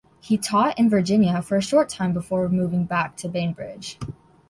He taught in Virginia for a short time before moving back to Bainbridge.